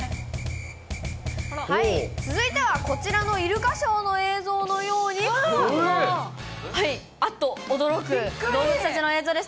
続いてはこちらのイルカショーの映像のようですが、あっと驚く動物たちの映像です。